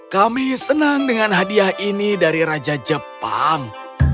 kami senang dengan hadiah ini dari raja jepang